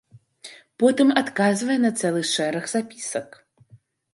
Потым адказвае на цэлы шэраг запісак.